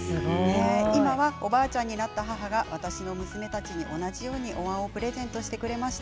今おばあちゃんになった母が私の娘たちに同じようにおわんをプレゼントしてくれました。